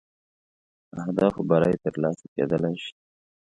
اهدافو بری تر لاسه کېدلای شي.